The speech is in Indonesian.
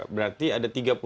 berarti ada tiga puluh